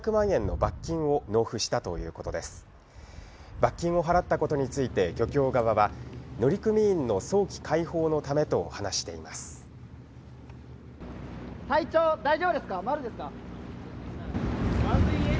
罰金を払ったことについて漁協側は、乗組員の早期解放のためと話しています。